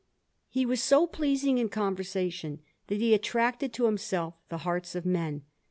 He was so pleasing in conversation, that he attracted to himself the hearts of men.